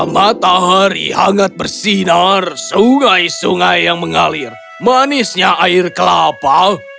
matahari hangat bersinar sungai sungai yang mengalir manisnya air kelapa